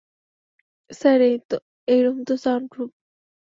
Sir, এই room তো soundproof.